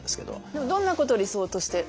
でもどんなことを理想として？